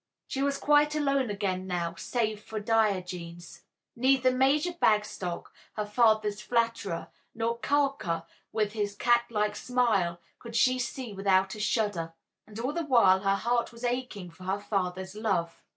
She was quite alone again now, save for Diogenes. Neither Major Bagstock, her father's flatterer, nor Carker, with his cat like smile, could she see without a shudder, and all the while her heart was aching for her father's love.